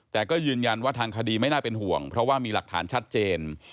แต่ก็ยืนยันว่าทางคดีไม่น่าเป็นห่วงเพราะว่ามีหลักฐานชัดเจน